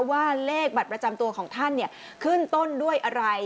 ว่าเลขบัตรประจำตัวของท่านขึ้นต้นด้วยอะไร